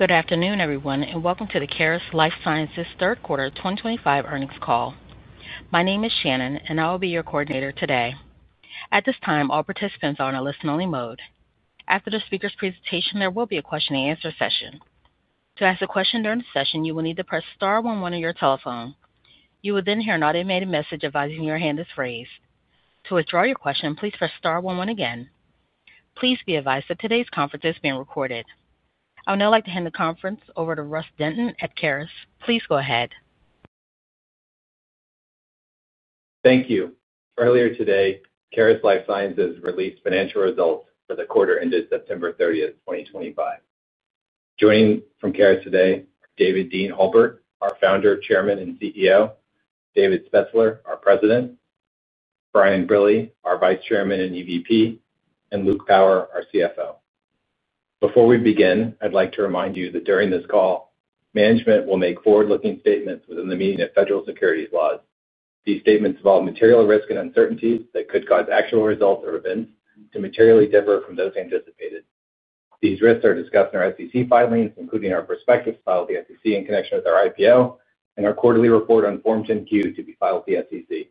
Good afternoon, everyone, and welcome to the Caris Life Sciences third quarter 2025 earnings call. My name is Shannon, and I will be your coordinator today. At this time, all participants are on a listen-only mode. After the speaker's presentation, there will be a question-and-answer session. To ask a question during the session, you will need to press Star 11 on your telephone. You will then hear an automated message advising you your hand is raised. To withdraw your question, please press star one one again. Please be advised that today's conference is being recorded. I would now like to hand the conference over to Russ Denton at Caris. Please go ahead. Thank you. Earlier today, Caris Life Sciences released financial results for the quarter ended September 30, 2025. Joining from Caris today are David Dean Halbert, our Founder, Chairman, and CEO; David Spetzler, our President; Brian Brille, our Vice Chairman and EVP; and Luke Power, our CFO. Before we begin, I'd like to remind you that during this call, management will make forward-looking statements within the meaning of federal securities laws. These statements involve material risks and uncertainties that could cause actual results or events to materially differ from those anticipated. These risks are discussed in our SEC filings, including our prospective file with the SEC in connection with our IPO and our quarterly report on Form 10-Q to be filed with the SEC.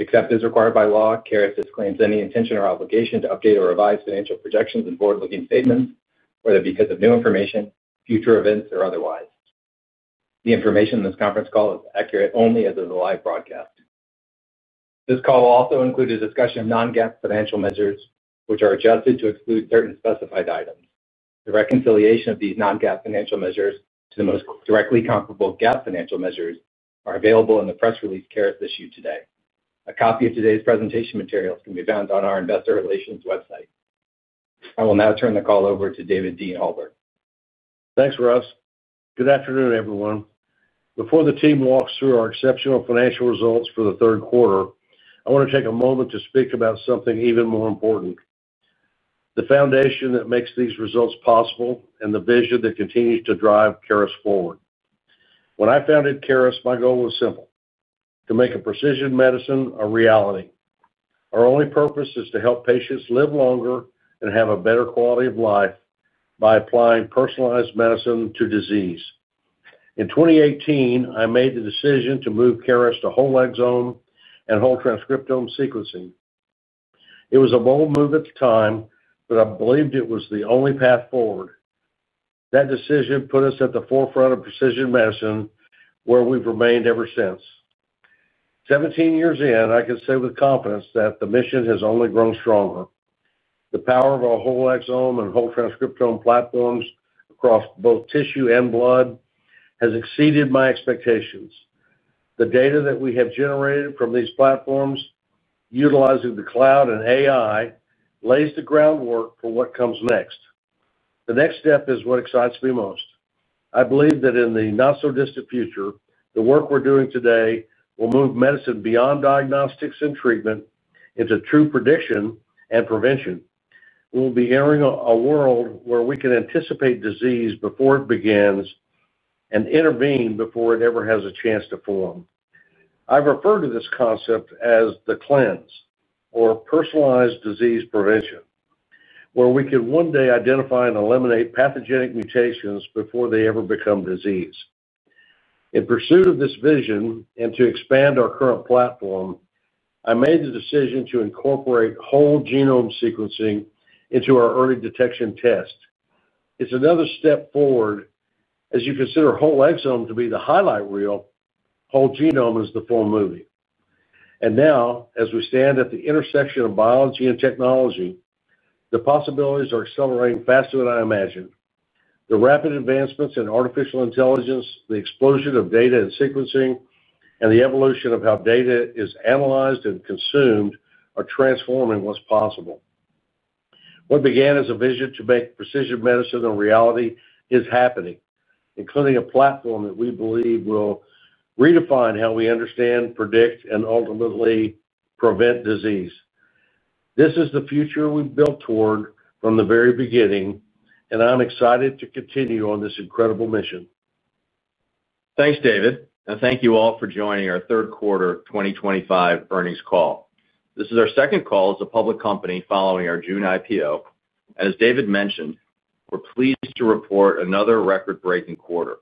Except as required by law, Caris disclaims any intention or obligation to update or revise financial projections and forward-looking statements, whether because of new information, future events, or otherwise. The information in this conference call is accurate only as it is a live broadcast. This call will also include a discussion of non-GAAP financial measures, which are adjusted to exclude certain specified items. The reconciliation of these non-GAAP financial measures to the most directly comparable GAAP financial measures is available in the press release Caris issued today. A copy of today's presentation materials can be found on our Investor Relations website. I will now turn the call over to David Dean Halbert. Thanks, Russ. Good afternoon, everyone. Before the team walks through our exceptional financial results for the third quarter, I want to take a moment to speak about something even more important. The foundation that makes these results possible and the vision that continues to drive Caris forward. When I founded Caris, my goal was simple: to make precision medicine a reality. Our only purpose is to help patients live longer and have a better quality of life by applying personalized medicine to disease. In 2018, I made the decision to move Caris to whole exome and whole transcriptome sequencing. It was a bold move at the time, but I believed it was the only path forward. That decision put us at the forefront of precision medicine, where we've remained ever since. Seventeen years in, I can say with confidence that the mission has only grown stronger. The power of our whole exome and whole transcriptome platforms across both tissue and blood has exceeded my expectations. The data that we have generated from these platforms, utilizing the cloud and AI, lays the groundwork for what comes next. The next step is what excites me most. I believe that in the not-so-distant future, the work we're doing today will move medicine beyond diagnostics and treatment into true prediction and prevention. We'll be entering a world where we can anticipate disease before it begins. We can intervene before it ever has a chance to form. I refer to this concept as the CLENS, or personalized disease prevention, where we can one day identify and eliminate pathogenic mutations before they ever become disease. In pursuit of this vision and to expand our current platform, I made the decision to incorporate whole genome sequencing into our early detection test. It's another step forward. As you consider whole exome to be the highlight reel, whole genome is the full movie. Now, as we stand at the intersection of biology and technology, the possibilities are accelerating faster than I imagined. The rapid advancements in artificial intelligence, the explosion of data and sequencing, and the evolution of how data is analyzed and consumed are transforming what's possible. What began as a vision to make precision medicine a reality is happening, including a platform that we believe will redefine how we understand, predict, and ultimately prevent disease. This is the future we've built toward from the very beginning, and I'm excited to continue on this incredible mission. Thanks, David. Thank you all for joining our Third Quarter 2025 earnings call. This is our second call as a public company following our June IPO. As David mentioned, we're pleased to report another record-breaking quarter,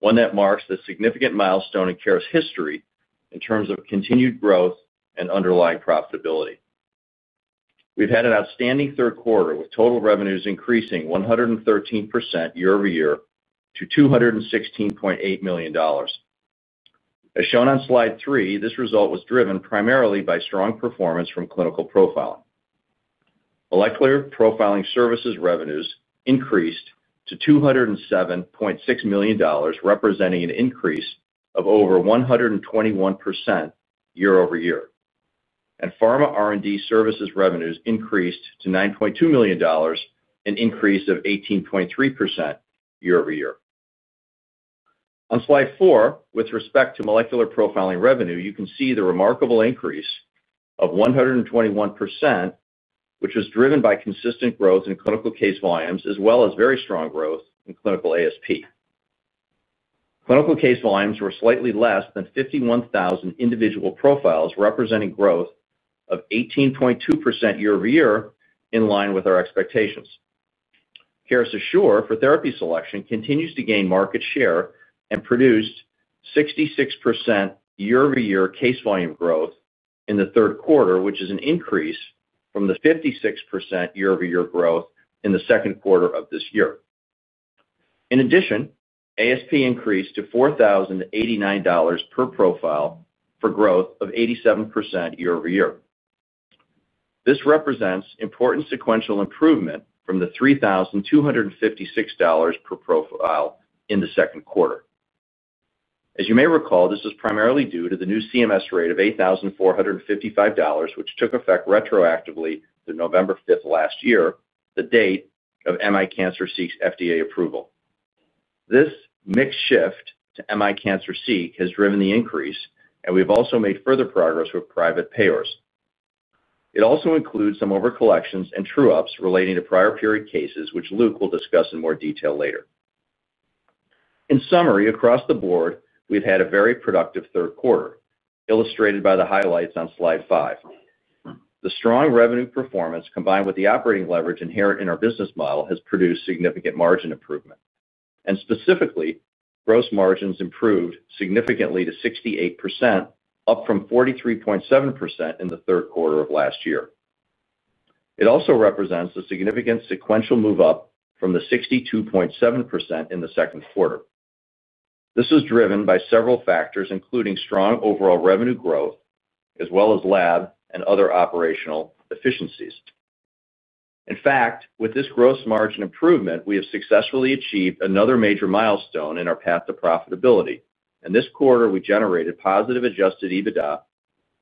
one that marks a significant milestone in Caris' history in terms of continued growth and underlying profitability. We've had an outstanding third quarter with total revenues increasing 113% year-over-year to $216.8 million. As shown on slide three, this result was driven primarily by strong performance from clinical profiling. Elective profiling services revenues increased to $207.6 million, representing an increase of over 121% year-over-year. Pharma R&D services revenues increased to $9.2 million, an increase of 18.3% year-over-year. On slide four, with respect to molecular profiling revenue, you can see the remarkable increase of 121% which was driven by consistent growth in clinical case volumes, as well as very strong growth in clinical ASP. Clinical case volumes were slightly less than 51,000 individual profiles, representing growth of 18.2% year-over-year, in line with our expectations. Caris Assure for therapy selection continues to gain market share and produced 66% year-over-year case volume growth in the third quarter, which is an increase from the 56% year-over-year growth in the second quarter of this year. In addition, ASP increased to $4,089 per profile for growth of 87% year-over-year. This represents important sequential improvement from the $3,256 per profile in the second quarter. As you may recall, this is primarily due to the new CMS rate of $8,455, which took effect retroactively through November 5th last year, the date of MI Cancer Seek's FDA approval. This mixed shift to MI Cancer Seek has driven the increase, and we've also made further progress with private payers. It also includes some overcollections and true-ups relating to prior-period cases, which Luke will discuss in more detail later. In summary, across the board, we've had a very productive third quarter, illustrated by the highlights on slide five. The strong revenue performance, combined with the operating leverage inherent in our business model, has produced significant margin improvement. Specifically, gross margins improved significantly to 68%, up from 43.7% in the third quarter of last year. It also represents a significant sequential move-up from the 62.7% in the second quarter. This was driven by several factors, including strong overall revenue growth, as well as lab and other operational efficiencies. In fact, with this gross margin improvement, we have successfully achieved another major milestone in our path to profitability. In this quarter, we generated positive adjusted EBITDA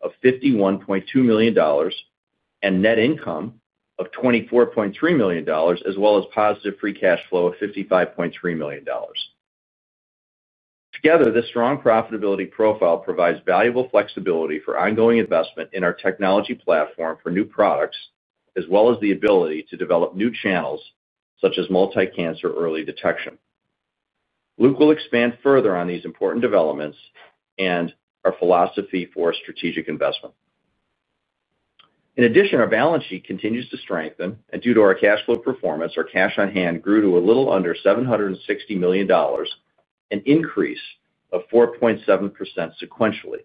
of $51.2 million. Net income of $24.3 million, as well as positive free cash flow of $55.3 million. Together, this strong profitability profile provides valuable flexibility for ongoing investment in our technology platform for new products, as well as the ability to develop new channels, such as multi-cancer early detection. Luke will expand further on these important developments and our philosophy for strategic investment. In addition, our balance sheet continues to strengthen, and due to our cash flow performance, our cash on hand grew to a little under $760 million, an increase of 4.7% sequentially.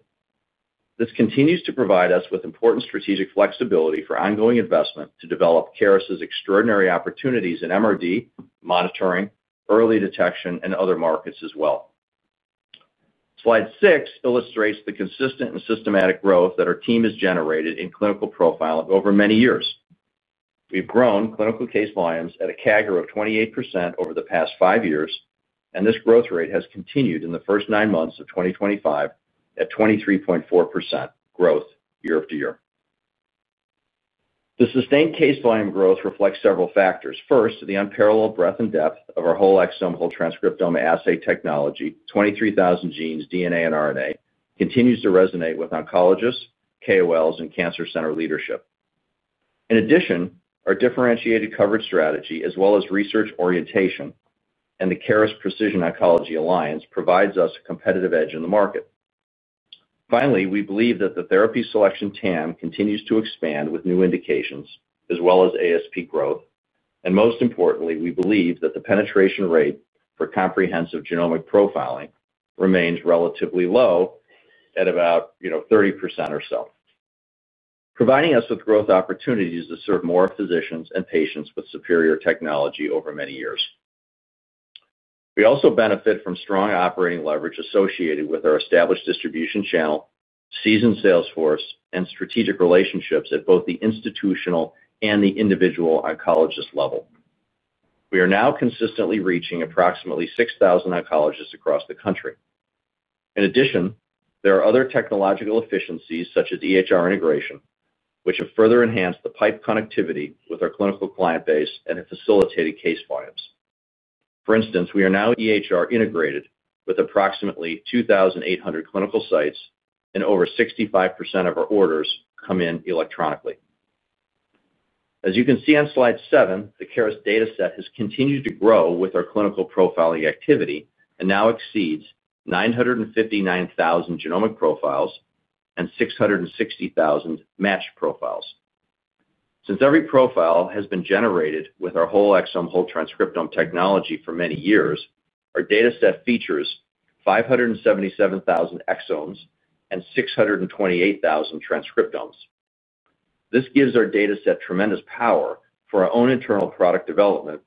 This continues to provide us with important strategic flexibility for ongoing investment to develop Caris' extraordinary opportunities in MRD, monitoring, early detection, and other markets as well. Slide six illustrates the consistent and systematic growth that our team has generated in clinical profiling over many years. We've grown clinical case volumes at a CAGR of 28% over the past five years, and this growth rate has continued in the first nine months of 2025 at 23.4% growth year-over-year. The sustained case volume growth reflects several factors. First, the unparalleled breadth and depth of our whole exome whole transcriptome assay technology, 23,000 genes, DNA, and RNA continues to resonate with oncologists, KOLs, and cancer center leadership. In addition, our differentiated coverage strategy, as well as research orientation and the Caris Precision Oncology Alliance, provides us a competitive edge in the market. Finally, we believe that the therapy selection TAM continues to expand with new indications, as well as ASP growth. Most importantly, we believe that the penetration rate for comprehensive genomic profiling remains relatively low at about 30% or so. Providing us with growth opportunities to serve more physicians and patients with superior technology over many years. We also benefit from strong operating leverage associated with our established distribution channel, seasoned salesforce, and strategic relationships at both the institutional and the individual oncologist level. We are now consistently reaching approximately 6,000 oncologists across the country. In addition, there are other technological efficiencies, such as EHR integration, which have further enhanced the pipe connectivity with our clinical client base and have facilitated case volumes. For instance, we are now EHR integrated with approximately 2,800 clinical sites, and over 65% of our orders come in electronically. As you can see on slide seven, the Caris data set has continued to grow with our clinical profiling activity and now exceeds 959,000 genomic profiles and 660,000 match profiles. Since every profile has been generated with our whole exome whole transcriptome technology for many years, our data set features 577,000 exomes and 628,000 transcriptomes. This gives our data set tremendous power for our own internal product development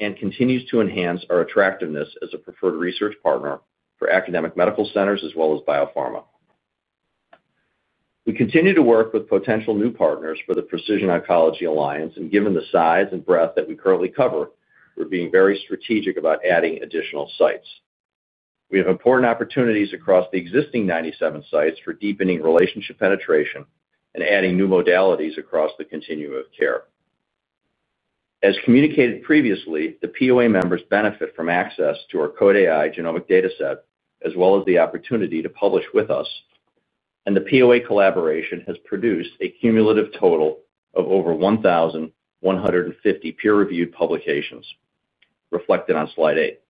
and continues to enhance our attractiveness as a preferred research partner for academic medical centers as well as biopharma. We continue to work with potential new partners for the Precision Oncology Alliance, and given the size and breadth that we currently cover, we're being very strategic about adding additional sites. We have important opportunities across the existing 97 sites for deepening relationship penetration and adding new modalities across the continuum of care. As communicated previously, the POA members benefit from access to our Code AI genomic data set, as well as the opportunity to publish with us. The POA collaboration has produced a cumulative total of over 1,150 peer-reviewed publications, reflected on slide eight.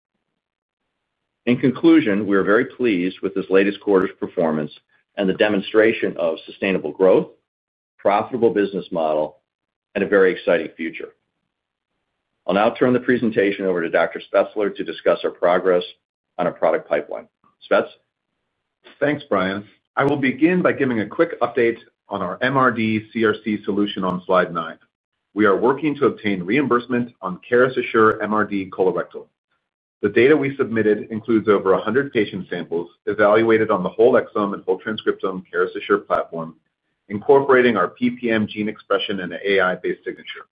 In conclusion, we are very pleased with this latest quarter's performance and the demonstration of sustainable growth, profitable business model, and a very exciting future. I'll now turn the presentation over to Dr. Spetzler to discuss our progress on our product pipeline. Spetz. Thanks, Brian. I will begin by giving a quick update on our MRD CRC solution on slide nine. We are working to obtain reimbursement on Caris Assure MRD colorectal. The data we submitted includes over 100 patient samples evaluated on the whole exome and whole transcriptome Caris Assure platform, incorporating our PPM gene expression and AI-based signature.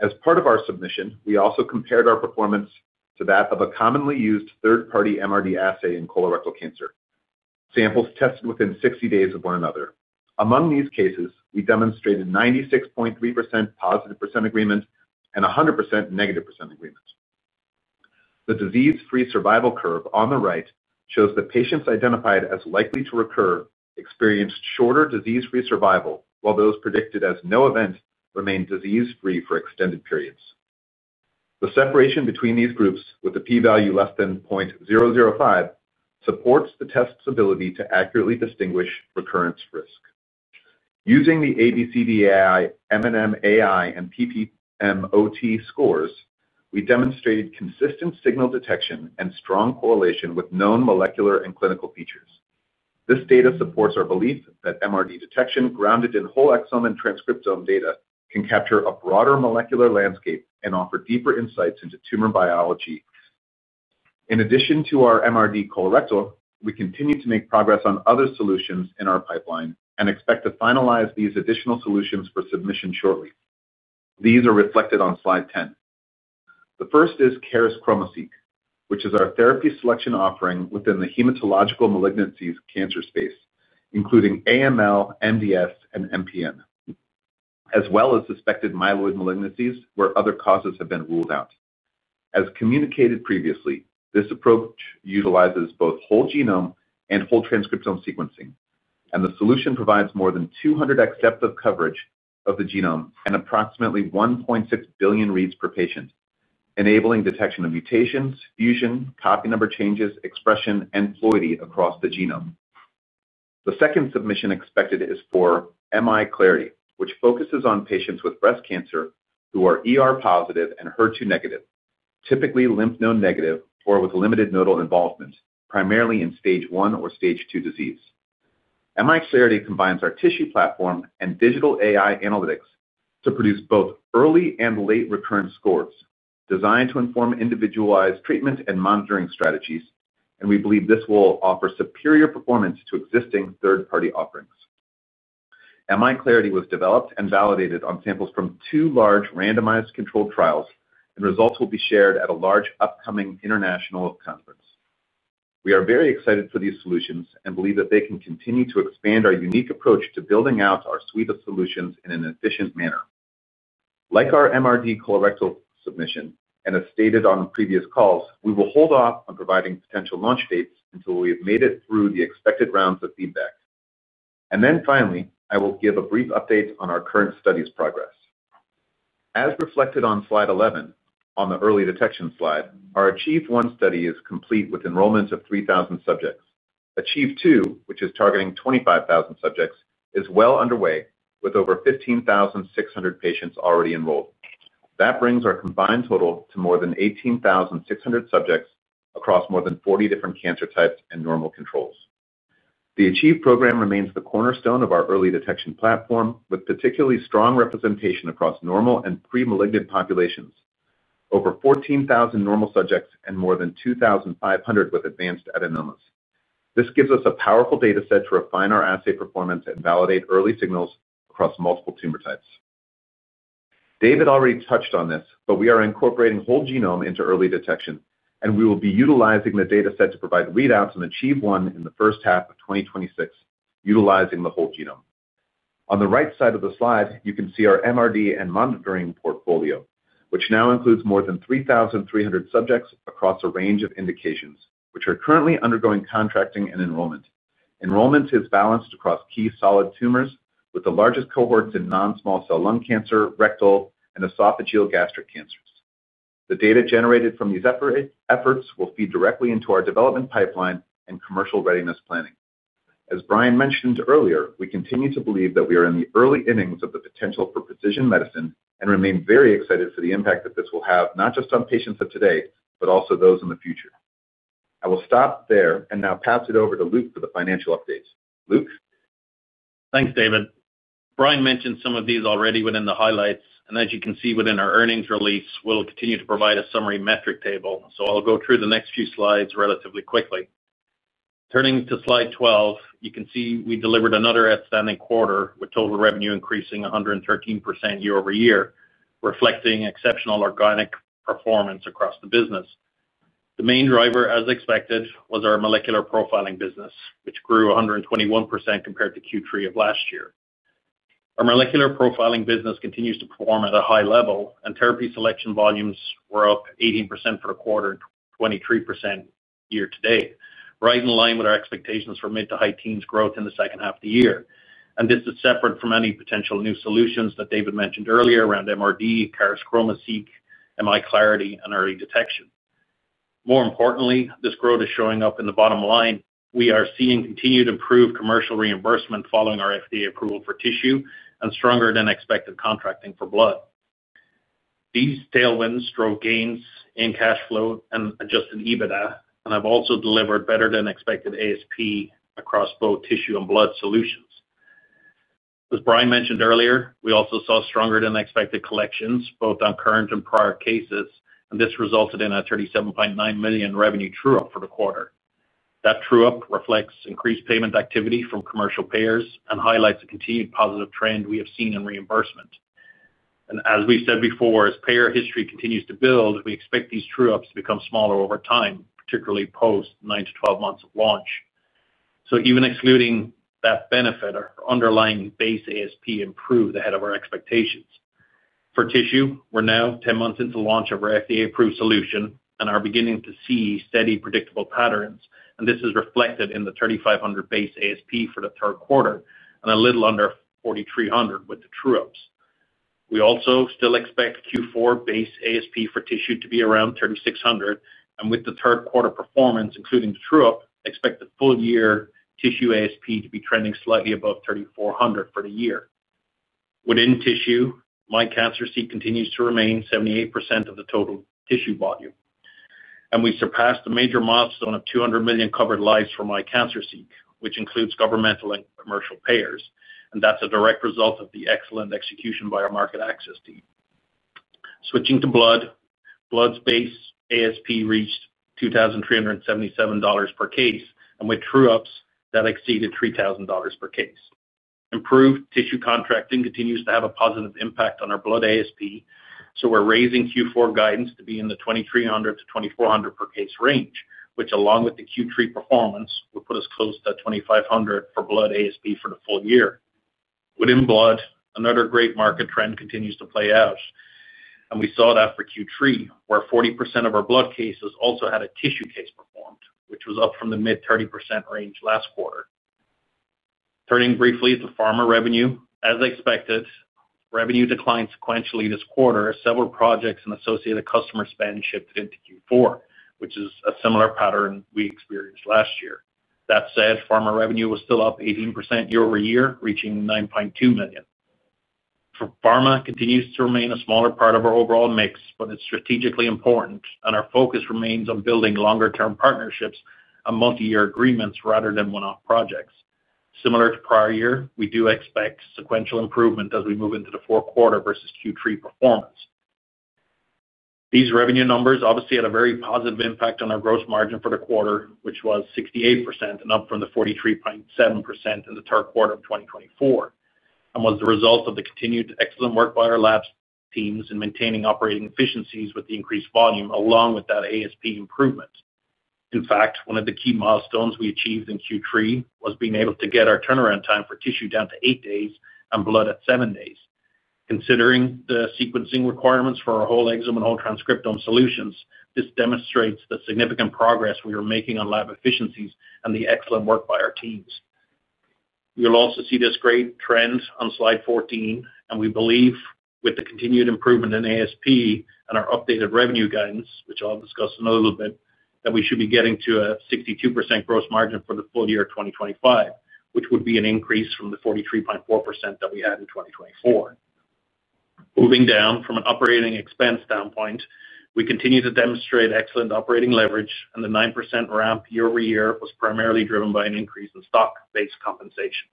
As part of our submission, we also compared our performance to that of a commonly used third-party MRD assay in colorectal cancer, samples tested within 60 days of one another. Among these cases, we demonstrated 96.3% positive percent agreement and 100% negative percent agreement. The disease-free survival curve on the right shows that patients identified as likely to recur experienced shorter disease-free survival, while those predicted as no event remained disease-free for extended periods. The separation between these groups, with the p-value less than 0.005, supports the test's ability to accurately distinguish recurrence risk. Using the ABCDEAI, MNMAI, and PPMOT scores, we demonstrated consistent signal detection and strong correlation with known molecular and clinical features. This data supports our belief that MRD detection, grounded in whole exome and transcriptome data, can capture a broader molecular landscape and offer deeper insights into tumor biology. In addition to our MRD colorectal, we continue to make progress on other solutions in our pipeline and expect to finalize these additional solutions for submission shortly. These are reflected on slide 10. The first is Caris Chromoseq, which is our therapy selection offering within the hematological malignancies cancer space, including AML, MDS, and MPN. As well as suspected myeloid malignancies where other causes have been ruled out. As communicated previously, this approach utilizes both whole genome and whole transcriptome sequencing, and the solution provides more than 200x depth of coverage of the genome and approximately 1.6 billion reads per patient, enabling detection of mutations, fusion, copy number changes, expression, and fluidity across the genome. The second submission expected is for MI Clarity, which focuses on patients with breast cancer who are positive and HER2 negative, typically lymph node negative or with limited nodal involvement, primarily in stage one or stage two disease. MI Clarity combines our tissue platform and digital AI analytics to produce both early and late recurrence scores designed to inform individualized treatment and monitoring strategies, and we believe this will offer superior performance to existing third-party offerings. MI Clarity was developed and validated on samples from two large randomized controlled trials, and results will be shared at a large upcoming international conference. We are very excited for these solutions and believe that they can continue to expand our unique approach to building out our suite of solutions in an efficient manner. Like our MRD colorectal submission and as stated on previous calls, we will hold off on providing potential launch dates until we have made it through the expected rounds of feedback. Finally, I will give a brief update on our current study's progress. As reflected on slide 11 on the early detection slide, our Achieve One study is complete with enrollment of 3,000 subjects. Achieve Two, which is targeting 25,000 subjects, is well underway with over 15,600 patients already enrolled. That brings our combined total to more than 18,600 subjects across more than 40 different cancer types and normal controls. The Achieve program remains the cornerstone of our early detection platform, with particularly strong representation across normal and pre-malignant populations, over 14,000 normal subjects and more than 2,500 with advanced adenomas. This gives us a powerful data set to refine our assay performance and validate early signals across multiple tumor types. David already touched on this, but we are incorporating whole genome into early detection, and we will be utilizing the data set to provide readouts in Achieve One in the first half of 2026, utilizing the whole genome. On the right side of the slide, you can see our MRD and monitoring portfolio, which now includes more than 3,300 subjects across a range of indications, which are currently undergoing contracting and enrollment. Enrollment is balanced across key solid tumors with the largest cohorts in non-small cell lung cancer, rectal, and esophageal gastric cancers. The data generated from these efforts will feed directly into our development pipeline and commercial readiness planning. As Brian mentioned earlier, we continue to believe that we are in the early innings of the potential for precision medicine and remain very excited for the impact that this will have not just on patients of today, but also those in the future. I will stop there and now pass it over to Luke for the financial updates. Luke. Thanks, David. Brian mentioned some of these already within the highlights. As you can see within our earnings release, we'll continue to provide a summary metric table. I'll go through the next few slides relatively quickly. Turning to slide 12, you can see we delivered another outstanding quarter with total revenue increasing 113% year-over-year, reflecting exceptional organic performance across the business. The main driver, as expected, was our molecular profiling business, which grew 121% compared to Q3 of last year. Our molecular profiling business continues to perform at a high level, and therapy selection volumes were up 18% for the quarter and 23% year-to-date, right in line with our expectations for mid-to-high teens growth in the second half of the year. This is separate from any potential new solutions that David mentioned earlier around MRD, Caris Chromoseq, MI Clarity, and early detection. More importantly, this growth is showing up in the bottom line. We are seeing continued improved commercial reimbursement following our FDA approval for tissue and stronger-than-expected contracting for blood. These tailwinds drove gains in cash flow and adjusted EBITDA, and have also delivered better-than-expected ASP across both tissue and blood solutions. As Brian mentioned earlier, we also saw stronger-than-expected collections both on current and prior cases, and this resulted in a $37.9 million revenue true-up for the quarter. That true-up reflects increased payment activity from commercial payers and highlights a continued positive trend we have seen in reimbursement. As we've said before, as payer history continues to build, we expect these true-ups to become smaller over time, particularly post 9-12 months of launch. Even excluding that benefit, our underlying base ASP improved ahead of our expectations. For tissue, we're now 10 months into launch of our FDA-approved solution and are beginning to see steady predictable patterns. This is reflected in the $3,500 base ASP for the third quarter and a little under $4,300 with the true-ups. We also still expect Q4 base ASP for tissue to be around $3,600. With the third quarter performance, including the true-up, expect the full-year tissue ASP to be trending slightly above $3,400 for the year. Within tissue, MI Cancer Seek continues to remain 78% of the total tissue volume. We surpassed a major milestone of 200 million covered lives for MI Cancer Seek, which includes governmental and commercial payers. That's a direct result of the excellent execution by our market access team. Switching to blood, blood space ASP reached $2,377 per case, and with true-ups, that exceeded $3,000 per case. Improved tissue contracting continues to have a positive impact on our blood ASP. We are raising Q4 guidance to be in the $2,300-$2,400 per case range, which, along with the Q3 performance, would put us close to $2,500 for blood ASP for the full year. Within blood, another great market trend continues to play out. We saw it after Q3, where 40% of our blood cases also had a tissue case performed, which was up from the mid-30% range last quarter. Turning briefly to pharma revenue, as expected, revenue declined sequentially this quarter. Several projects and associated customer spend shifted into Q4, which is a similar pattern we experienced last year. That said, pharma revenue was still up 18% year-over-year, reaching $9.2 million. For pharma, it continues to remain a smaller part of our overall mix, but it's strategically important, and our focus remains on building longer-term partnerships and multi-year agreements rather than one-off projects. Similar to prior year, we do expect sequential improvement as we move into the fourth quarter versus Q3 performance. These revenue numbers obviously had a very positive impact on our gross margin for the quarter, which was 68% and up from the 43.7% in the third quarter of 2024, and was the result of the continued excellent work by our labs teams in maintaining operating efficiencies with the increased volume along with that ASP improvement. In fact, one of the key milestones we achieved in Q3 was being able to get our turnaround time for tissue down to eight days and blood at seven days. Considering the sequencing requirements for our whole exome and whole transcriptome solutions, this demonstrates the significant progress we are making on lab efficiencies and the excellent work by our teams. You'll also see this great trend on slide 14, and we believe, with the continued improvement in ASP and our updated revenue guidance, which I'll discuss in a little bit, that we should be getting to a 62% gross margin for the full year of 2025, which would be an increase from the 43.4% that we had in 2024. Moving down from an operating expense standpoint, we continue to demonstrate excellent operating leverage, and the 9% ramp year-over-year was primarily driven by an increase in stock-based compensation.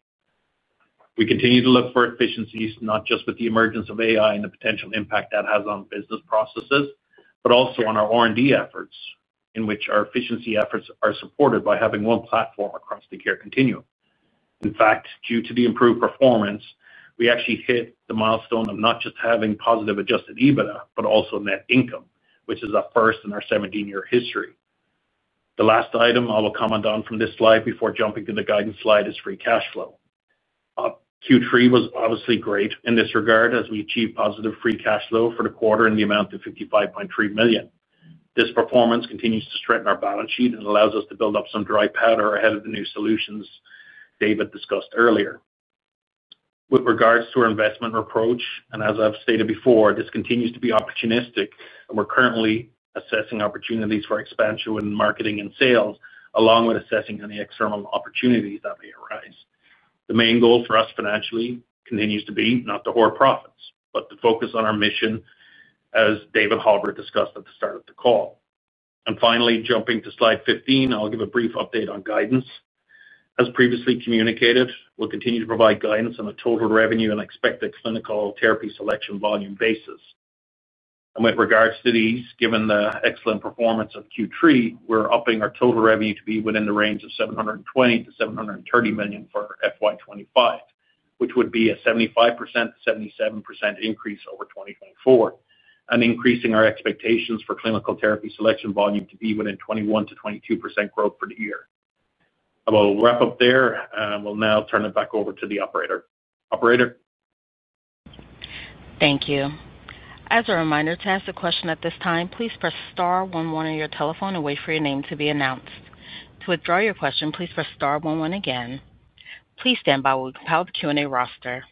We continue to look for efficiencies, not just with the emergence of AI and the potential impact that has on business processes, but also on our R&D efforts, in which our efficiency efforts are supported by having one platform across the care continuum. In fact, due to the improved performance, we actually hit the milestone of not just having positive adjusted EBITDA, but also net income, which is a first in our 17-year history. The last item I will comment on from this slide before jumping to the guidance slide is free cash flow. Q3 was obviously great in this regard as we achieved positive free cash flow for the quarter in the amount of $55.3 million. This performance continues to strengthen our balance sheet and allows us to build up some dry powder ahead of the new solutions David discussed earlier. With regards to our investment approach, and as I've stated before, this continues to be opportunistic, and we're currently assessing opportunities for expansion within marketing and sales, along with assessing any external opportunities that may arise. The main goal for us financially continues to be not to hoard profits, but to focus on our mission, as David Halbert discussed at the start of the call. Finally, jumping to slide 15, I'll give a brief update on guidance. As previously communicated, we'll continue to provide guidance on the total revenue and expected clinical therapy selection volume basis. With regards to these, given the excellent performance of Q3, we're upping our total revenue to be within the range of $720 million-$730 million for FY25, which would be a 75%-77% increase over 2024, and increasing our expectations for clinical therapy selection volume to be within 21%-22% growth for the year. I will wrap up there, and we'll now turn it back over to the operator. Operator. Thank you. As a reminder to ask a question at this time, please press star 11 on your telephone and wait for your name to be announced. To withdraw your question, please press star 11 again. Please stand by while we compile the Q&A roster.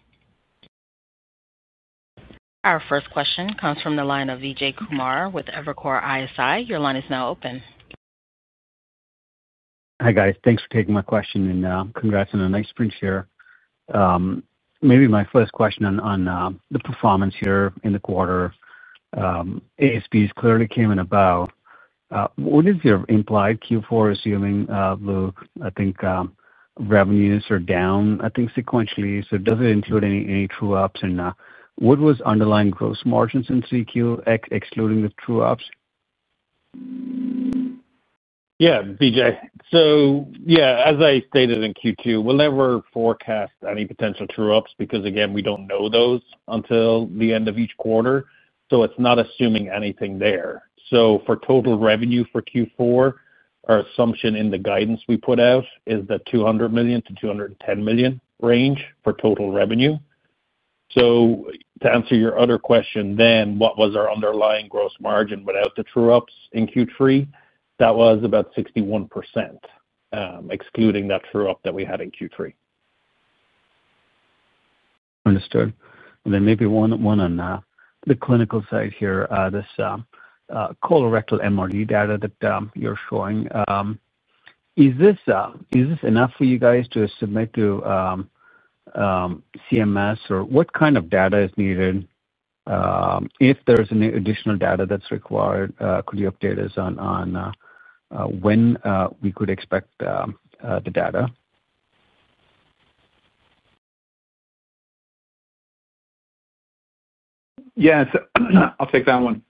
Our first question comes from the line of Vijay Kumar with Evercore ISI. Your line is now open. Hi, guys. Thanks for taking my question, and congrats on a nice spring share. Maybe my first question on the performance. Year in the quarter. ASPs clearly came in about. What is your implied Q4, assuming, Luke? I think. Revenues are down, I think, sequentially. Does it include any true-ups? What was underlying gross margins in CQ, excluding the true-ups? Yeah, Vijay. Yeah, as I stated in Q2, we'll never forecast any potential true-ups because, again, we don't know those until the end of each quarter. It's not assuming anything there. For total revenue for Q4, our assumption in the guidance we put out is the $200 million-$210 million range for total revenue. To answer your other question then, what was our underlying gross margin without the true-ups in Q3? That was about 61%. Excluding that true-up that we had in Q3. Understood. Maybe one on the clinical side here, this colorectal MRD data that you're showing. Is this enough for you guys to submit to CMS? Or what kind of data is needed? If there's any additional data that's required, could you update us on when we could expect the data? Yeah. I'll take that one.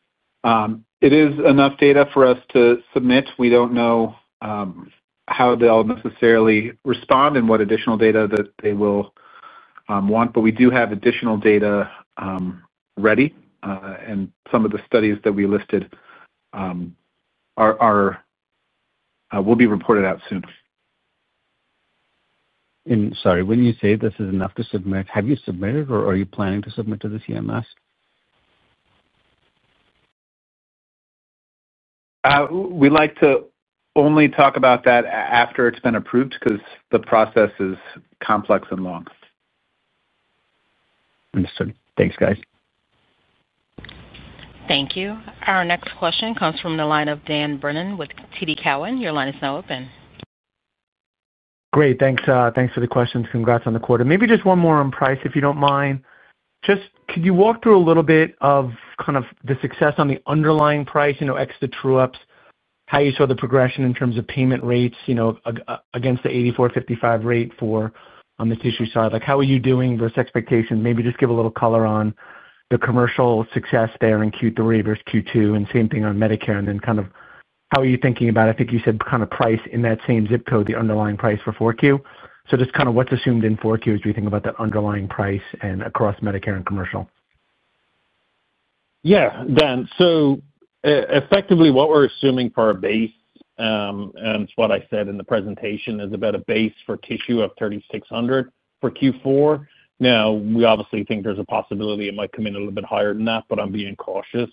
It is enough data for us to submit. We don't know how they'll necessarily respond and what additional data they will want, but we do have additional data ready. Some of the studies that we listed will be reported out soon. Sorry, when you say this is enough to submit, have you submitted, or are you planning to submit to the CMS? We like to only talk about that after it's been approved because the process is complex and long. Understood. Thanks, guys. Thank you. Our next question comes from the line of Dan Brennan with TD Cowen. Your line is now open. Great. Thanks for the questions. Congrats on the quarter. Maybe just one more on price, if you don't mind. Just could you walk through a little bit of kind of the success on the underlying price, ex the true-ups, how you saw the progression in terms of payment rates against the $84.55 rate for the tissue side? How are you doing versus expectation? Maybe just give a little color on the commercial success there in Q3 versus Q2, and same thing on Medicare. Then kind of how are you thinking about, I think you said, kind of price in that same zip code, the underlying price for 4Q? Just kind of what's assumed in 4Q as we think about that underlying price and across Medicare and commercial? Yeah. Dan, so. Effectively, what we're assuming for our base, and it's what I said in the presentation, is about a base for tissue of 3,600 for Q4. Now, we obviously think there's a possibility it might come in a little bit higher than that, but I'm being cautious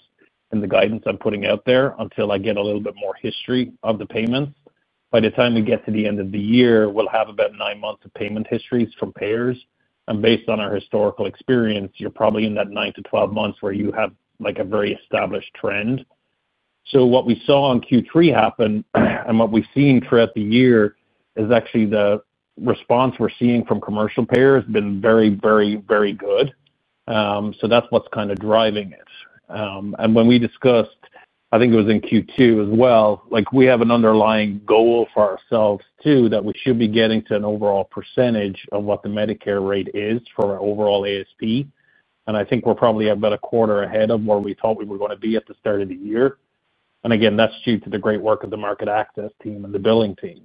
in the guidance I'm putting out there until I get a little bit more history of the payments. By the time we get to the end of the year, we'll have about nine months of payment histories from payers. And based on our historical experience, you're probably in that 9-12 months where you have a very established trend. What we saw in Q3 happen and what we've seen throughout the year is actually the response we're seeing from commercial payers has been very, very, very good. That's what's kind of driving it. When we discussed, I think it was in Q2 as well, we have an underlying goal for ourselves too that we should be getting to an overall % of what the Medicare rate is for our overall ASP. I think we're probably about a quarter ahead of where we thought we were going to be at the start of the year. Again, that's due to the great work of the market access team and the billing team.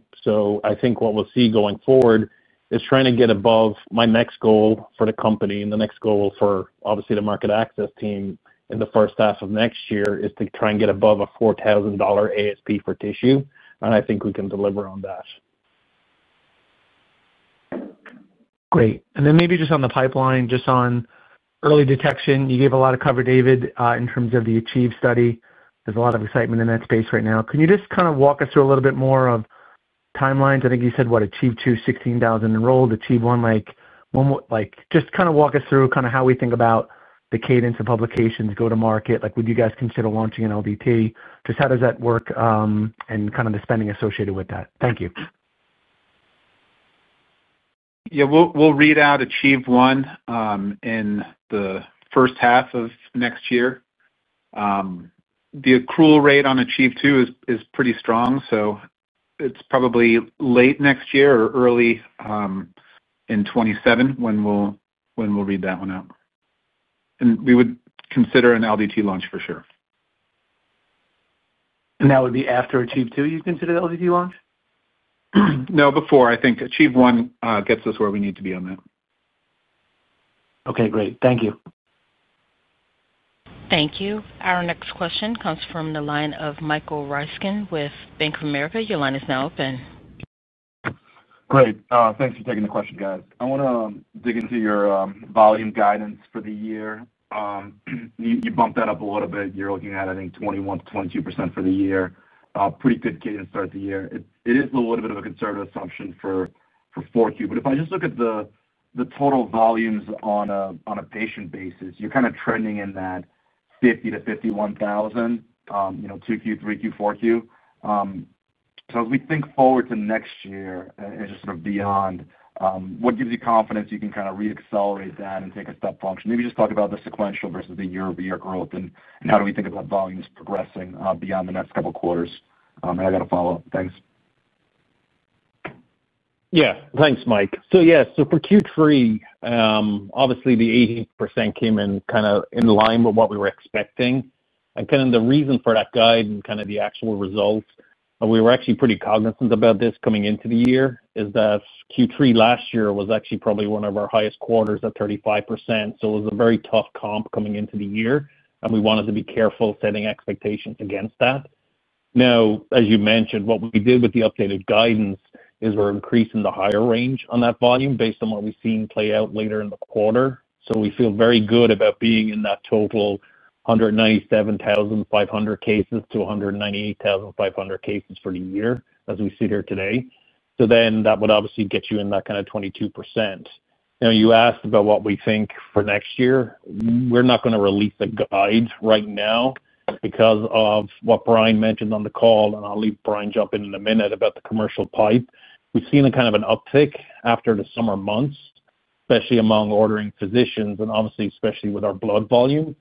I think what we'll see going forward is trying to get above my next goal for the company and the next goal for, obviously, the market access team in the first half of next year is to try and get above a $4,000 ASP for tissue. I think we can deliver on that. Great. Maybe just on the pipeline, just on early detection, you gave a lot of cover, David, in terms of the Achieve study. There is a lot of excitement in that space right now. Can you just kind of walk us through a little bit more of timelines? I think you said, what, Achieve Two, 16,000 enrolled, Achieve One. Just kind of walk us through kind of how we think about the cadence of publications, go-to-market. Would you guys consider launching an LDT? Just how does that work, and kind of the spending associated with that? Thank you. Yeah. We'll read out Achieve One in the first half of next year. The accrual rate on Achieve Two is pretty strong, so it's probably late next year or early in 2027 when we'll read that one out. We would consider an LDT launch for sure. That would be after Achieve Two you consider the LDT launch? No, before. I think Achieve One gets us where we need to be on that. Okay. Great. Thank you. Thank you. Our next question comes from the line of Michael Ryskin with Bank of America. Your line is now open. Great. Thanks for taking the question, guys. I want to dig into your volume guidance for the year. You bumped that up a little bit. You're looking at, I think, 21%-22% for the year. Pretty good cadence throughout the year. It is a little bit of a conservative assumption for 4Q. If I just look at the total volumes on a patient basis, you're kind of trending in that 50,000-51,000, 2Q, 3Q, 4Q. As we think forward to next year and just sort of beyond, what gives you confidence you can kind of re-accelerate that and take a step function? Maybe just talk about the sequential versus the year-over-year growth and how do we think about volumes progressing beyond the next couple of quarters. I got a follow-up. Thanks. Yeah. Thanks, Mike. Yeah, for Q3. Obviously, the 80% came in kind of in line with what we were expecting. The reason for that guide and the actual results, we were actually pretty cognizant about this coming into the year is that Q3 last year was actually probably one of our highest quarters at 35%. It was a very tough comp coming into the year, and we wanted to be careful setting expectations against that. Now, as you mentioned, what we did with the updated guidance is we're increasing the higher range on that volume based on what we've seen play out later in the quarter. We feel very good about being in that total 197,500-198,500 cases for the year as we sit here today. That would obviously get you in that kind of 22%. Now, you asked about what we think for next year. We're not going to release a guide right now because of what Brian mentioned on the call, and I'll let Brian jump in in a minute about the commercial pipe. We've seen kind of an uptick after the summer months, especially among ordering physicians, and obviously, especially with our blood volume.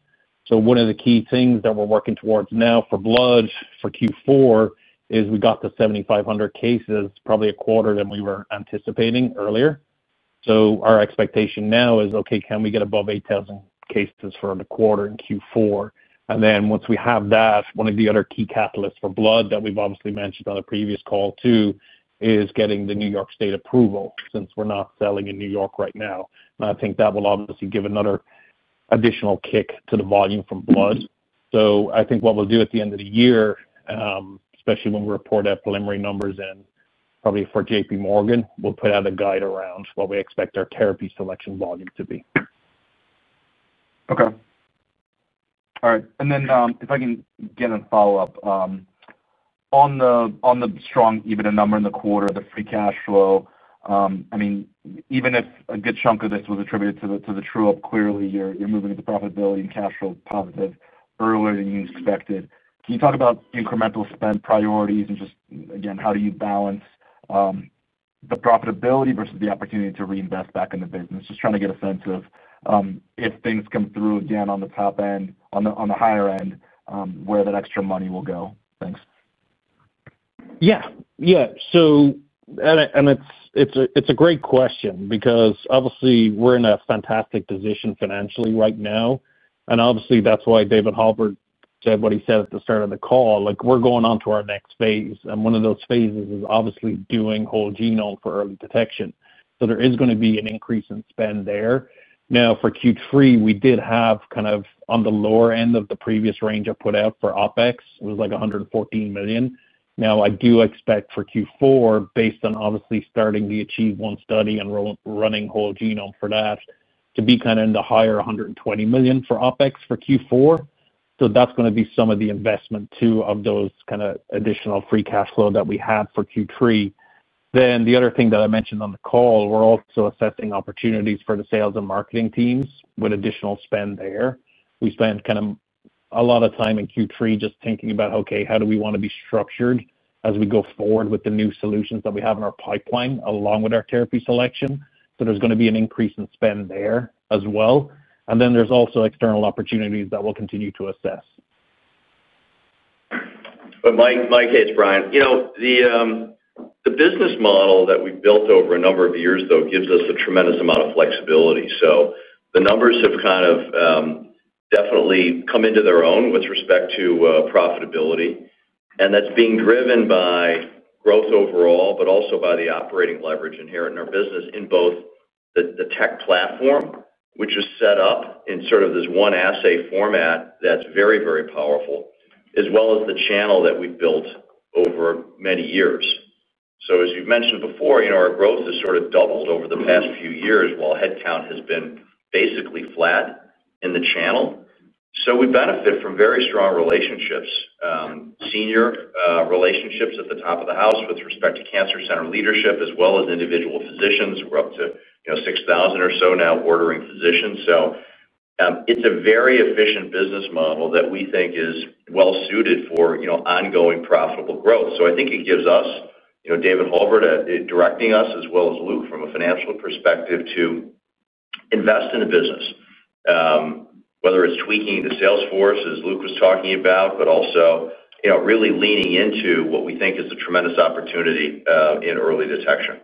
One of the key things that we're working towards now for blood for Q4 is we got to 7,500 cases, probably a quarter sooner than we were anticipating earlier. Our expectation now is, okay, can we get above 8,000 cases for the quarter in Q4? Once we have that, one of the other key catalysts for blood that we've obviously mentioned on the previous call too is getting the New York State approval since we're not selling in New York right now. I think that will obviously give another additional kick to the volume from blood. I think what we'll do at the end of the year, especially when we report our preliminary numbers in, probably for JP Morgan, we'll put out a guide around what we expect our therapy selection volume to be. Okay. All right. If I can get a follow-up. On the strong EBITDA number in the quarter, the free cash flow, I mean, even if a good chunk of this was attributed to the true-up, clearly you're moving into profitability and cash flow positive earlier than you expected. Can you talk about incremental spend priorities and just, again, how do you balance the profitability versus the opportunity to reinvest back in the business? Just trying to get a sense of if things come through again on the top end, on the higher end, where that extra money will go. Thanks. Yeah. Yeah. So. And it's a great question because obviously we're in a fantastic position financially right now. And obviously, that's why David Halbert said what he said at the start of the call. We're going on to our next phase. One of those phases is obviously doing whole genome for early detection. There is going to be an increase in spend there. Now, for Q3, we did have kind of on the lower end of the previous range I put out for OpEx. It was like $114 million. Now, I do expect for Q4, based on obviously starting the Achieve One study and running whole genome for that, to be kind of in the higher $120 million for OpEx for Q4. That's going to be some of the investment too of those kind of additional free cash flow that we have for Q3. The other thing that I mentioned on the call, we're also assessing opportunities for the sales and marketing teams with additional spend there. We spent kind of a lot of time in Q3 just thinking about, okay, how do we want to be structured as we go forward with the new solutions that we have in our pipeline along with our therapy selection? There is going to be an increase in spend there as well. There are also external opportunities that we'll continue to assess. In my case, Brian, the business model that we've built over a number of years though gives us a tremendous amount of flexibility. The numbers have kind of definitely come into their own with respect to profitability. That's being driven by growth overall, but also by the operating leverage inherent in our business in both the tech platform, which is set up in sort of this one assay format that's very, very powerful, as well as the channel that we've built over many years. As you've mentioned before, our growth has sort of doubled over the past few years while headcount has been basically flat in the channel. We benefit from very strong relationships, senior relationships at the top of the house with respect to cancer center leadership, as well as individual physicians. We're up to 6,000 or so now ordering physicians. It's a very efficient business model that we think is well-suited for ongoing profitable growth. I think it gives us, David Halbert directing us as well as Luke from a financial perspective, to invest in the business. Whether it's tweaking the sales force, as Luke was talking about, but also really leaning into what we think is a tremendous opportunity in early detection.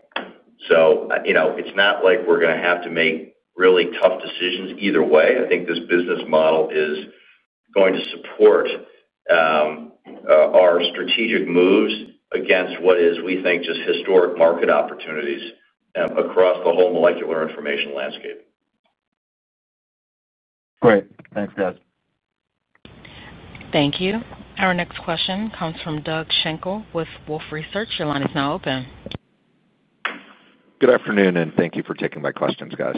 It's not like we're going to have to make really tough decisions either way. I think this business model is going to support our strategic moves against what is, we think, just historic market opportunities across the whole molecular information landscape. Great. Thanks, guys. Thank you. Our next question comes from Doug Schenkel with Wolfe Research. Your line is now open. Good afternoon, and thank you for taking my questions, guys.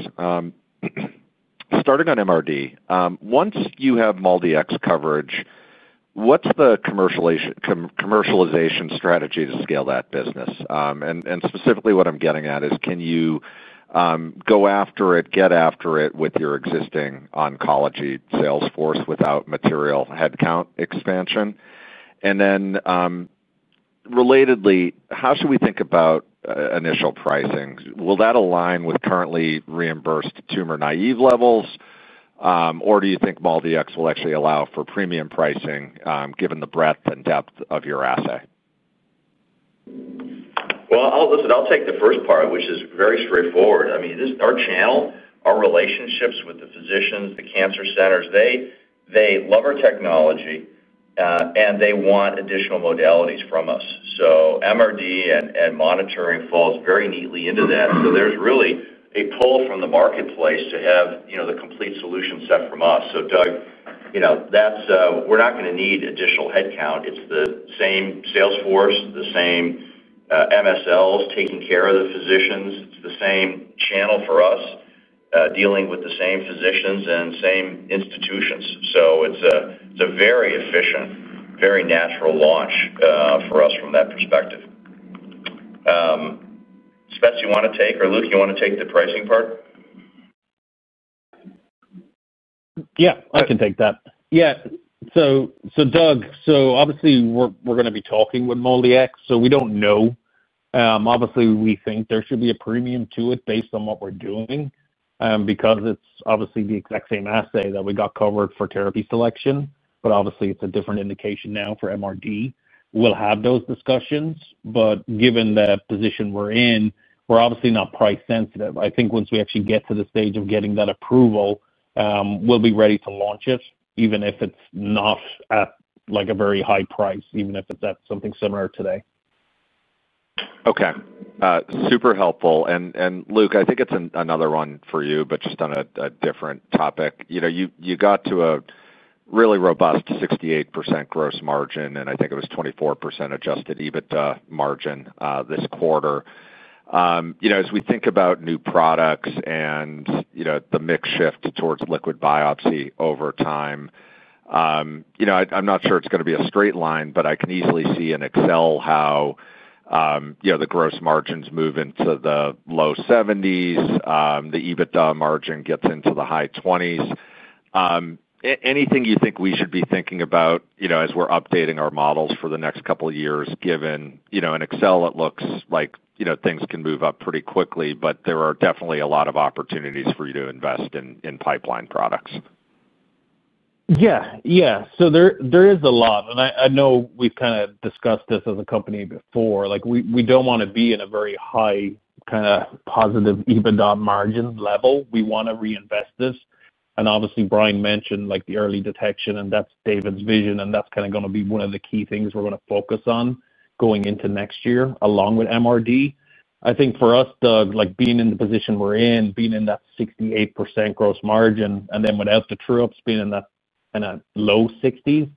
Starting on MRD, once you have MALDI X coverage, what's the commercialization strategy to scale that business? Specifically, what I'm getting at is, can you go after it, get after it with your existing oncology sales force without material headcount expansion? Relatedly, how should we think about initial pricing? Will that align with currently reimbursed tumor naive levels, or do you think MALDI X will actually allow for premium pricing given the breadth and depth of your assay? I’ll take the first part, which is very straightforward. I mean, our channel, our relationships with the physicians, the cancer centers, they love our technology, and they want additional modalities from us. MRD and monitoring falls very neatly into that. There’s really a pull from the marketplace to have the complete solution set from us. Doug, we’re not going to need additional headcount. It’s the same sales force, the same MSLs taking care of the physicians. It’s the same channel for us, dealing with the same physicians and same institutions. It’s a very efficient, very natural launch for us from that perspective. Spez, do you want to take or Luke, do you want to take the pricing part? Yeah. I can take that. Yeah. So, Doug, obviously, we're going to be talking with MALDI X. We don't know. Obviously, we think there should be a premium to it based on what we're doing because it's obviously the exact same assay that we got covered for therapy selection. Obviously, it's a different indication now for MRD. We'll have those discussions. Given the position we're in, we're obviously not price sensitive. I think once we actually get to the stage of getting that approval, we'll be ready to launch it, even if it's not at a very high price, even if it's at something similar today. Okay. Super helpful. Luke, I think it's another one for you, but just on a different topic. You got to a really robust 68% gross margin, and I think it was 24% adjusted EBITDA margin this quarter. As we think about new products and the mix shift towards liquid biopsy over time, I'm not sure it's going to be a straight line, but I can easily see in Excel how the gross margins move into the low 70s, the EBITDA margin gets into the high 20s. Anything you think we should be thinking about as we're updating our models for the next couple of years, given in Excel, it looks like things can move up pretty quickly, but there are definitely a lot of opportunities for you to invest in pipeline products. Yeah. Yeah. So there is a lot. And I know we've kind of discussed this as a company before. We don't want to be in a very high kind of positive EBITDA margin level. We want to reinvest this. And obviously, Brian mentioned the early detection, and that's David's vision. And that's kind of going to be one of the key things we're going to focus on going into next year along with MRD. I think for us, Doug, being in the position we're in, being in that 68% gross margin, and then without the true-ups, being in that kind of low 60s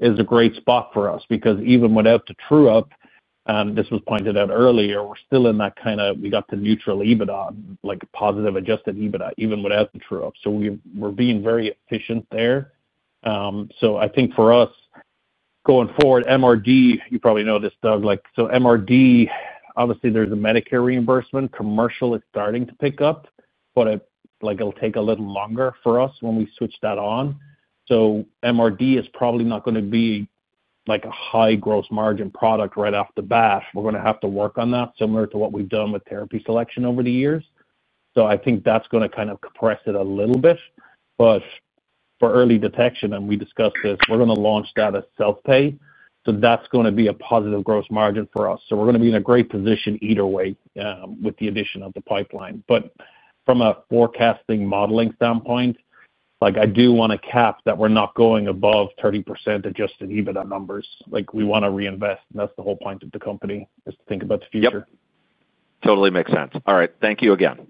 is a great spot for us because even without the true-up, and this was pointed out earlier, we're still in that kind of we got to neutral EBITDA, positive adjusted EBITDA, even without the true-up. So we're being very efficient there. I think for us. Going forward, MRD, you probably know this, Doug. So MRD, obviously, there's a Medicare reimbursement. Commercial is starting to pick up, but it'll take a little longer for us when we switch that on. So MRD is probably not going to be a high gross margin product right off the bat. We're going to have to work on that similar to what we've done with therapy selection over the years. I think that's going to kind of compress it a little bit. For early detection, and we discussed this, we're going to launch that as self-pay. That's going to be a positive gross margin for us. We're going to be in a great position either way with the addition of the pipeline. From a forecasting modeling standpoint, I do want to cap that we're not going above 30% adjusted EBITDA numbers. We want to reinvest. That is the whole point of the company, is to think about the future. Yeah. Totally makes sense. All right. Thank you again.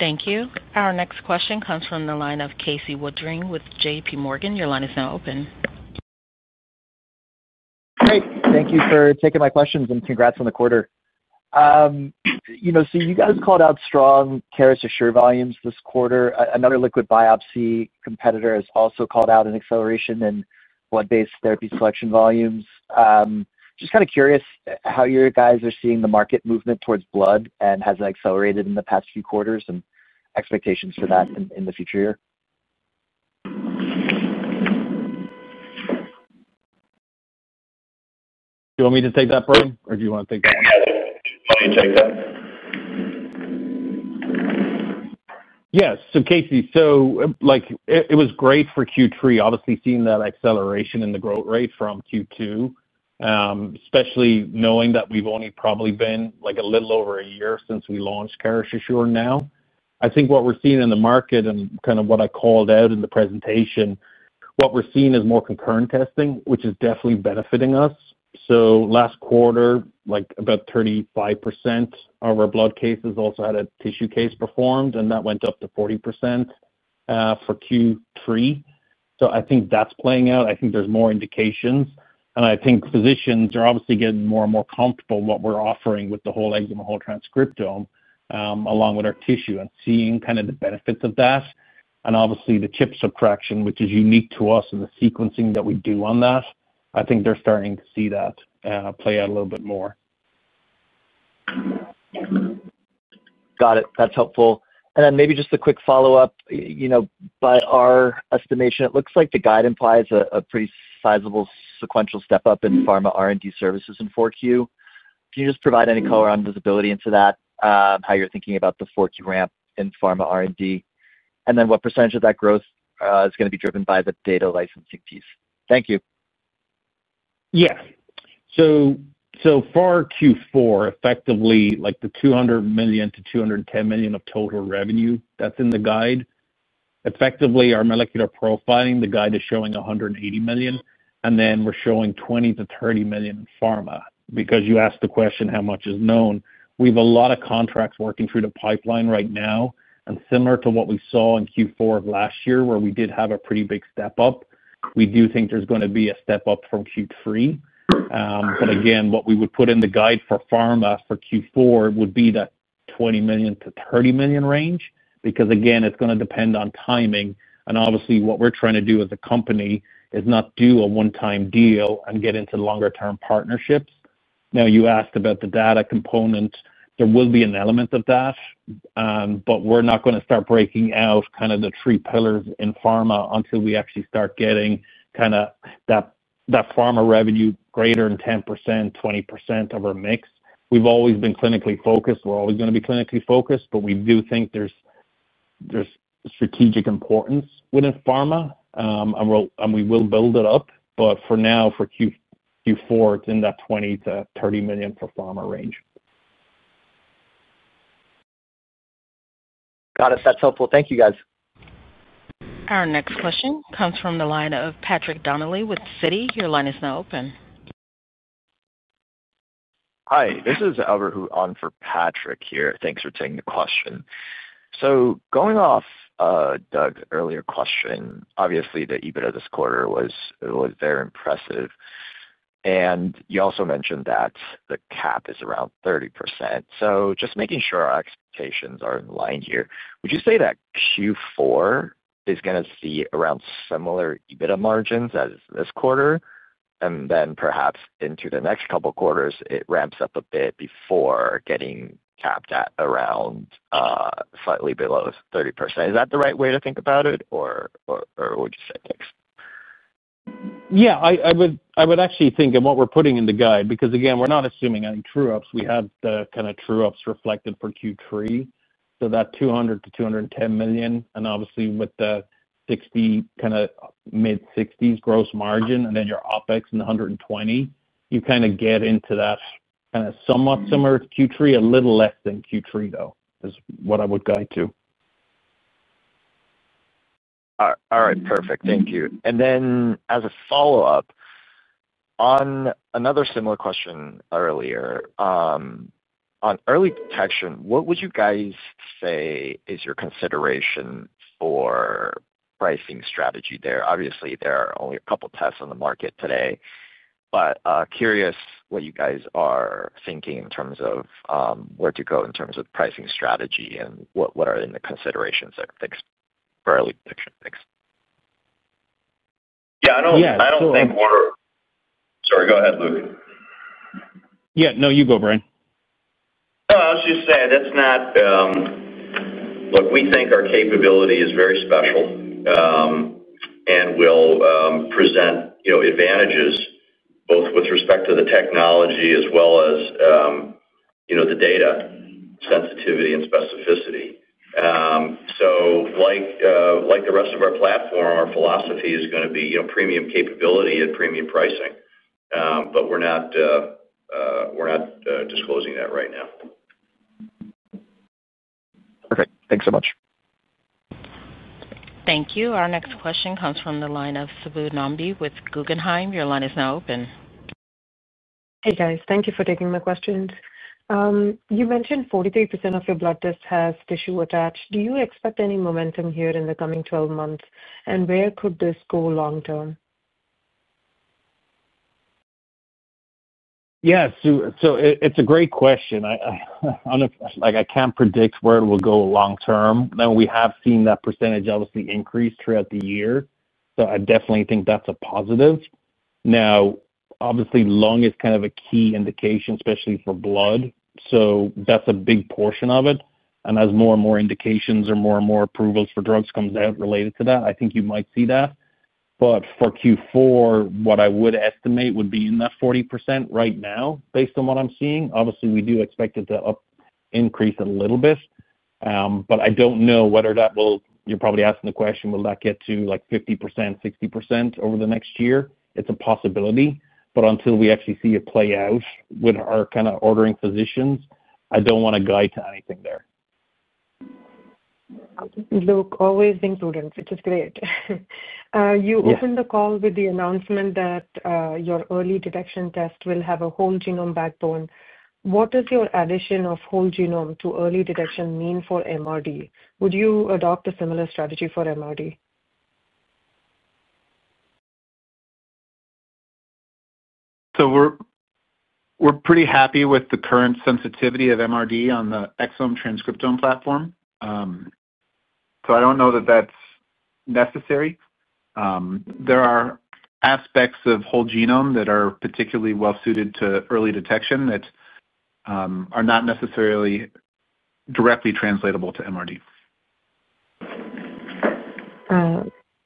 Thank you. Our next question comes from the line of Casey Woodring with JPMorgan. Your line is now open. Great. Thank you for taking my questions and congrats on the quarter. You guys called out strong Caris Assure volumes this quarter. Another liquid biopsy competitor has also called out an acceleration in blood-based therapy selection volumes. Just kind of curious how you guys are seeing the market movement towards blood and has it accelerated in the past few quarters and expectations for that in the future year? Do you want me to take that, Brian, or do you want to take that? Yeah. Let me take that. Yeah. So Casey, so. It was great for Q3, obviously seeing that acceleration in the growth rate from Q2. Especially knowing that we've only probably been a little over a year since we launched Caris Assure now. I think what we're seeing in the market and kind of what I called out in the presentation, what we're seeing is more concurrent testing, which is definitely benefiting us. Last quarter, about 35% of our blood cases also had a tissue case performed, and that went up to 40% for Q3. I think that's playing out. I think there's more indications. I think physicians are obviously getting more and more comfortable with what we're offering with the whole exome and whole transcriptome along with our tissue and seeing kind of the benefits of that. Obviously, the chip subtraction, which is unique to us and the sequencing that we do on that, I think they're starting to see that play out a little bit more. Got it. That's helpful. Maybe just a quick follow-up. By our estimation, it looks like the guide implies a pretty sizable sequential step up in pharma R&D services in Q4. Can you just provide any color on visibility into that, how you're thinking about the Q4 ramp in pharma R&D? What percentage of that growth is going to be driven by the data licensing piece? Thank you. Yeah. So. For Q4, effectively, the $200 million-$210 million of total revenue that's in the guide, effectively, our molecular profiling, the guide is showing $180 million. And then we're showing $20 million-$30 million in pharma. Because you asked the question, how much is known, we have a lot of contracts working through the pipeline right now. And similar to what we saw in Q4 of last year, where we did have a pretty big step up, we do think there's going to be a step up from Q3. Again, what we would put in the guide for pharma for Q4 would be that $20 million-$30 million range because, again, it's going to depend on timing. Obviously, what we're trying to do as a company is not do a one-time deal and get into longer-term partnerships. Now, you asked about the data component. There will be an element of that. But we're not going to start breaking out kind of the three pillars in pharma until we actually start getting kind of that pharma revenue greater than 10%, 20% of our mix. We've always been clinically focused. We're always going to be clinically focused, but we do think there's strategic importance within pharma. And we will build it up. But for now, for Q4, it's in that $20 million-$30 million for pharma range. Got it. That's helpful. Thank you, guys. Our next question comes from the line of Patrick Donnelly with Citi. Your line is now open. Hi. This is Albert Hooton for Patrick here. Thanks for taking the question. Going off Doug's earlier question, obviously, the EBITDA this quarter was very impressive. You also mentioned that the cap is around 30%. Just making sure our expectations are in line here. Would you say that Q4 is going to see around similar EBITDA margins as this quarter? Perhaps into the next couple of quarters, it ramps up a bit before getting capped at around slightly below 30%. Is that the right way to think about it, or what would you say next? Yeah. I would actually think, and what we're putting in the guide, because again, we're not assuming any true-ups. We have the kind of true-ups reflected for Q3. So that $200-$210 million, and obviously, with the 60, kind of mid-60s gross margin, and then your OpEx in the 120, you kind of get into that kind of somewhat similar to Q3, a little less than Q3, though, is what I would guide to. All right. Perfect. Thank you. And then as a follow-up, on another similar question earlier, on early detection, what would you guys say is your consideration for pricing strategy there? Obviously, there are only a couple of tests on the market today. Curious what you guys are thinking in terms of where to go in terms of pricing strategy and what are the considerations for early detection? Yeah. I don't think we're—sorry, go ahead, Luke. Yeah. No, you go, Brian. No, I was just saying that's not— Look, we think our capability is very special. And we'll present advantages both with respect to the technology as well as the data, sensitivity, and specificity. Like the rest of our platform, our philosophy is going to be premium capability at premium pricing. But we're not disclosing that right now. Perfect. Thanks so much. Thank you. Our next question comes from the line of Subbu Nambi with Guggenheim. Your line is now open. Hey, guys. Thank you for taking my questions. You mentioned 43% of your blood test has tissue attached. Do you expect any momentum here in the coming 12 months? Where could this go long-term? Yeah. So it's a great question. I can't predict where it will go long-term. Now, we have seen that percentage obviously increase throughout the year. I definitely think that's a positive. Now, obviously, lung is kind of a key indication, especially for blood. That's a big portion of it. As more and more indications or more and more approvals for drugs come out related to that, I think you might see that. For Q4, what I would estimate would be in that 40% right now, based on what I'm seeing. Obviously, we do expect it to increase a little bit. I don't know whether that will—you are probably asking the question—will that get to 50%, 60% over the next year? It's a possibility. Until we actually see it play out with our kind of ordering physicians, I don't want to guide to anything there. Luke, always including. It's great. You opened the call with the announcement that your early detection test will have a whole genome backbone. What does your addition of whole genome to early detection mean for MRD? Would you adopt a similar strategy for MRD? We're pretty happy with the current sensitivity of MRD on the exome transcriptome platform. I don't know that that's necessary. There are aspects of whole genome that are particularly well-suited to early detection that are not necessarily directly translatable to MRD.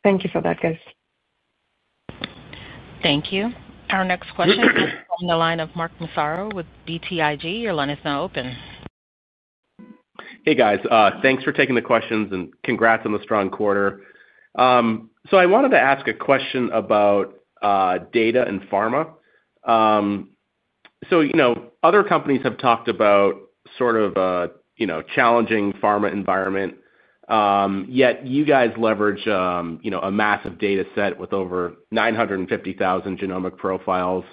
Thank you for that, guys. Thank you. Our next question comes from the line of Mark Massaro with BTIG. Your line is now open. Hey, guys. Thanks for taking the questions, and congrats on the strong quarter. I wanted to ask a question about data in pharma. Other companies have talked about sort of a challenging pharma environment. Yet you guys leverage a massive data set with over 950,000 genomic profiles,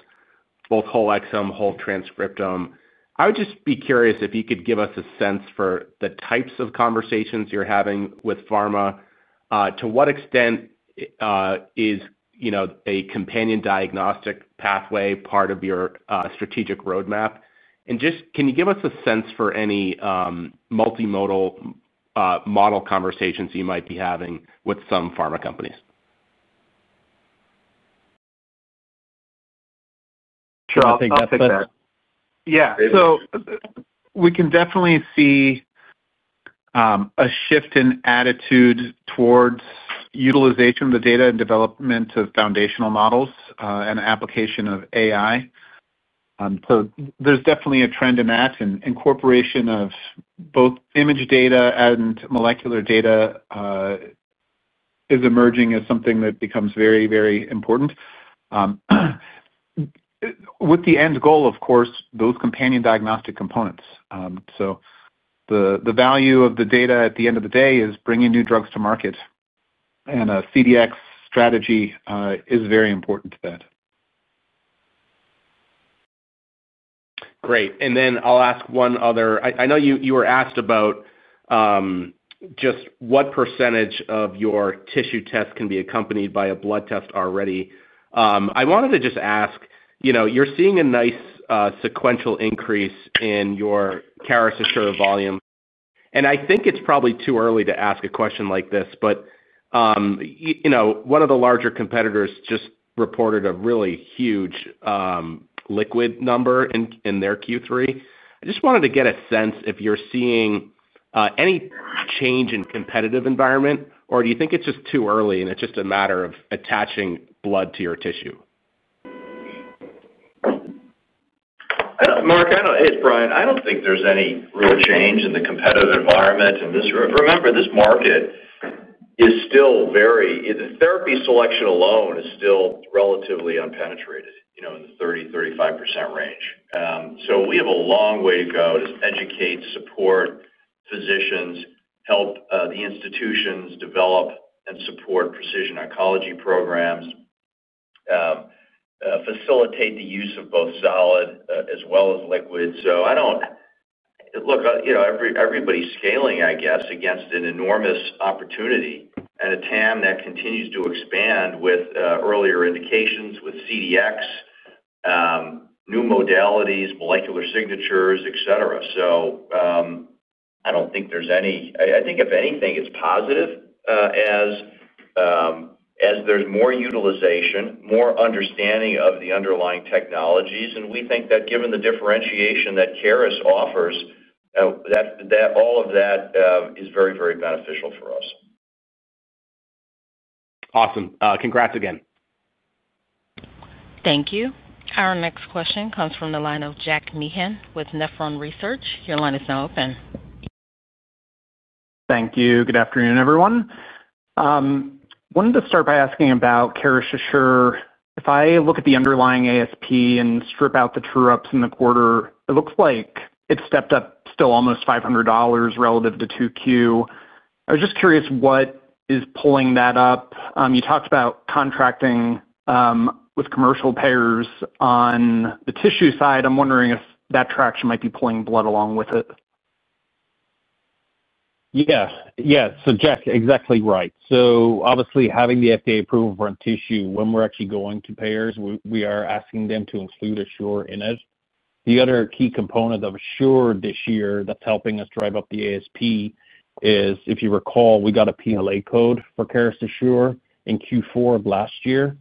both whole exome, whole transcriptome. I would just be curious if you could give us a sense for the types of conversations you're having with pharma. To what extent is a companion diagnostic pathway part of your strategic roadmap? Can you give us a sense for any multimodal model conversations you might be having with some pharma companies? Sure. I think that's a—yeah. We can definitely see a shift in attitude towards utilization of the data and development of foundational models and application of AI. There's definitely a trend in that. Incorporation of both image data and molecular data is emerging as something that becomes very, very important. The end goal, of course, is those companion diagnostic components. The value of the data at the end of the day is bringing new drugs to market. A CDX strategy is very important to that. Great. I'll ask one other—I know you were asked about just what percentage of your tissue test can be accompanied by a blood test already. I wanted to just ask, you're seeing a nice sequential increase in your Caris Assure volume. I think it's probably too early to ask a question like this, but one of the larger competitors just reported a really huge liquid number in their Q3. I just wanted to get a sense if you're seeing any change in the competitive environment, or do you think it's just too early and it's just a matter of attaching blood to your tissue? Mark, it's Brian, I don't think there's any real change in the competitive environment. Remember, this market is still very—the therapy selection alone is still relatively unpenetrated in the 30-35% range. We have a long way to go to educate, support physicians, help the institutions develop and support precision oncology programs, and facilitate the use of both solid as well as liquid. I don't—look, everybody's scaling, I guess, against an enormous opportunity and a TAM that continues to expand with earlier indications, with CDX, new modalities, molecular signatures, etc. I don't think there's any—I think if anything, it's positive as there's more utilization, more understanding of the underlying technologies. We think that given the differentiation that Caris offers, all of that is very, very beneficial for us. Awesome. Congrats again. Thank you. Our next question comes from the line of Jack Meehan with Nephron Research. Your line is now open. Thank you. Good afternoon, everyone. I wanted to start by asking about Caris Assure. If I look at the underlying ASP and strip out the true-ups in the quarter, it looks like it's stepped up still almost $500 relative to 2Q. I was just curious what is pulling that up. You talked about contracting with commercial payers on the tissue side. I'm wondering if that traction might be pulling blood along with it. Yeah. So Jack, exactly right. So obviously, having the FDA approval for tissue, when we're actually going to payers, we are asking them to include Assure in it. The other key component of Assure this year that's helping us drive up the ASP is, if you recall, we got a PLA code for Caris Assure in Q4 of last year.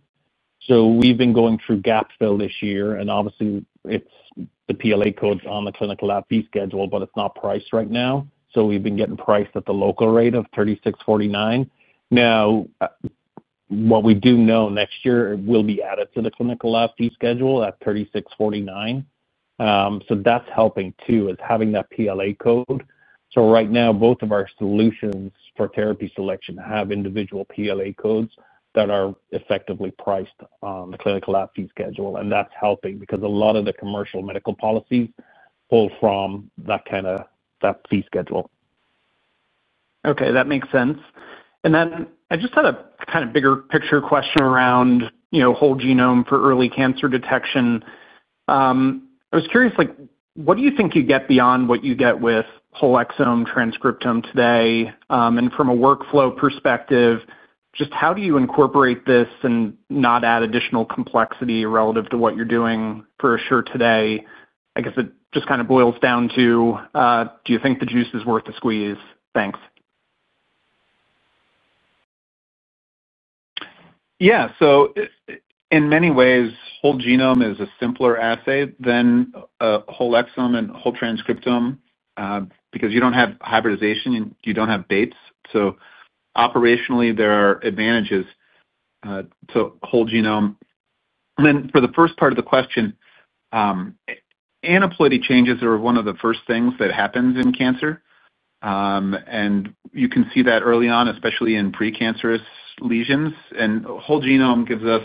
So we've been going through Gapfill this year. Obviously, the PLA code is on the clinical lab fee schedule, but it is not priced right now. We have been getting priced at the local rate of $36.49. What we do know is next year, it will be added to the clinical lab fee schedule at $36.49. That is helping too, having that PLA code. Right now, both of our solutions for therapy selection have individual PLA codes that are effectively priced on the clinical lab fee schedule. That is helping because a lot of the commercial medical policies pull from that kind of fee schedule. Okay, that makes sense. I just had a kind of bigger picture question around whole genome for early cancer detection. I was curious, what do you think you get beyond what you get with whole exome transcriptome today? From a workflow perspective, just how do you incorporate this and not add additional complexity relative to what you're doing for Assure today? I guess it just kind of boils down to, do you think the juice is worth the squeeze? Thanks. Yeah. In many ways, whole genome is a simpler assay than whole exome and whole transcriptome because you don't have hybridization, and you don't have baits. Operationally, there are advantages to whole genome. For the first part of the question, aneuploid changes are one of the first things that happens in cancer. You can see that early on, especially in precancerous lesions, and whole genome gives us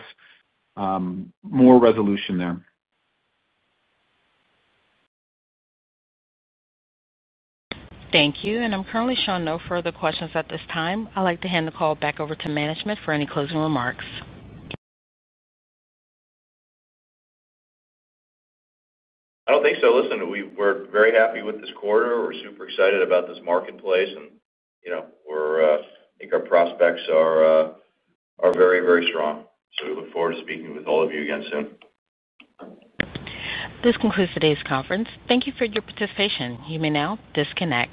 more resolution there. Thank you. I'm currently showing no further questions at this time. I'd like to hand the call back over to management for any closing remarks. I don't think so. Listen, we're very happy with this quarter. We're super excited about this marketplace. I think our prospects are very, very strong. We look forward to speaking with all of you again soon. This concludes today's conference. Thank you for your participation. You may now disconnect.